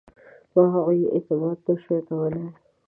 په هغوی یې اعتماد نه شو کولای.